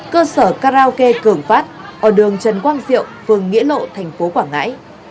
cơ sở karaoke cường phát ở đường trần quang diệu phường nghĩa lộ thành phố quảng ngãi